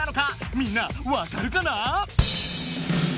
みんなわかるかな？